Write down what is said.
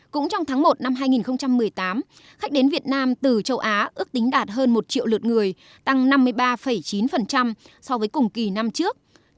cũng trong tháng một năm hai nghìn một mươi tám khách đến việt nam từ châu á ước tính đạt hơn một triệu lượt người tăng năm mươi ba chín so với cùng kỳ năm trước